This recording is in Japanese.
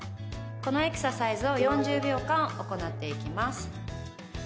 このエクササイズを４０秒間行っていきます。